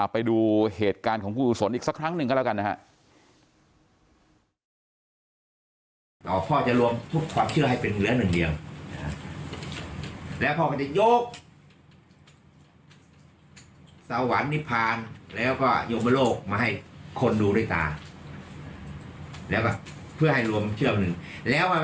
ไปดูเหตุการณ์ของคุณกุศลอีกสักครั้งหนึ่งก็แล้วกันนะฮะ